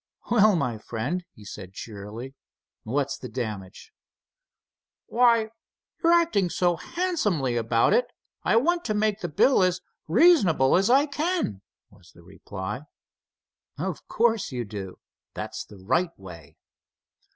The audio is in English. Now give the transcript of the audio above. "Well, my friend," he said cheerily; "what's the damage?" "Why, you're acting so handsomely about it, I want to make the bill as reasonable as I can," was the reply. "Of course you do—that's the right way."